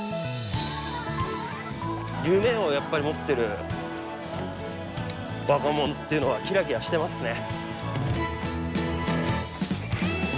夢をやっぱり持ってる若者っていうのはキラキラしてますね。